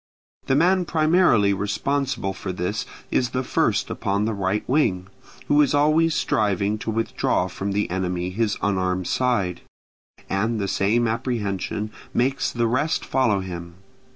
The man primarily responsible for this is the first upon the right wing, who is always striving to withdraw from the enemy his unarmed side; and the same apprehension makes the rest follow him.